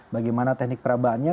bagaimana teknik perabaannya